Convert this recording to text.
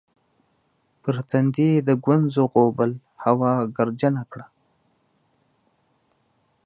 پر تندي یې د ګونځو غوبل هوا ګردجنه کړه